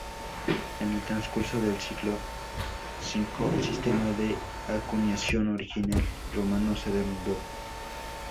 En el transcurso del siglo V, el sistema de acuñación original romano se derrumbó.